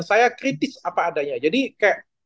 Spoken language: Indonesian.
saya kritis apa adanya jadi kayak